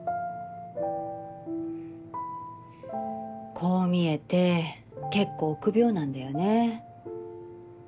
こう見えて結構臆病なんだよね。